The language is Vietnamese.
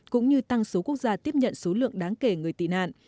cũng như tăng số quốc gia tiếp nhận số lượng đáng kể người tị nạn